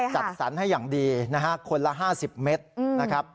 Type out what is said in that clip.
จัดสรรให้อย่างดีนะฮะคนละ๕๐เมตรนะครับ